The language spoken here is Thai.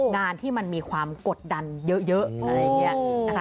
งานที่มันมีความกดดันเยอะ